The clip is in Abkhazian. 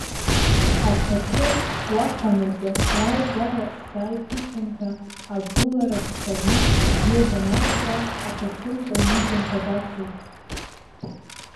Аҭаҭын уахонаҵы уааигәара сзааигәышьом ҳәа агәылара дцаны дио даналага, аҭаҭын каимыжьыр дабацоз!